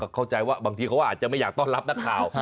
เข้าใจว่าบางทีเขาอาจจะไม่อยากต้อนรับนักข่าว